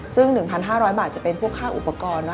ซึ่ง๑๕๐๐บาทจะเป็นพวกค่าอุปกรณ์